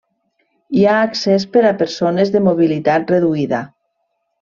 Hi ha accés per a persones de mobilitat reduïda.